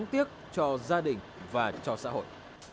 làm tiếc cho gia đình và cho xã hội